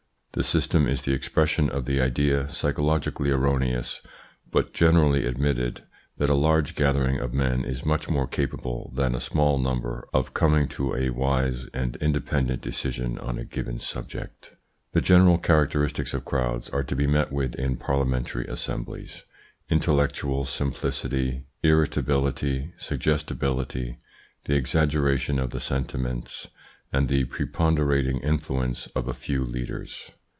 The system is the expression of the idea, psychologically erroneous, but generally admitted, that a large gathering of men is much more capable than a small number of coming to a wise and independent decision on a given subject. The general characteristics of crowds are to be met with in parliamentary assemblies: intellectual simplicity, irritability, suggestibility, the exaggeration of the sentiments and the preponderating influence of a few leaders.